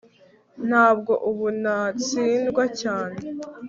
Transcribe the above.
ntabwo ubu ntatsindwa cyane